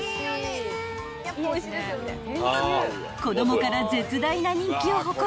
［子供から絶大な人気を誇る］